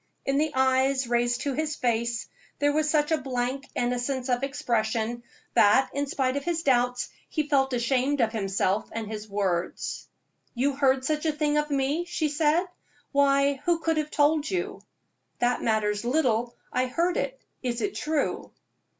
In the eyes raised to his face there was such blank innocence of expression that, in spite of his doubts, he felt ashamed of himself and his words. "You heard such a thing of me!" she said. "Why, who could have told you?" "That matters little; I heard it. Is it true?"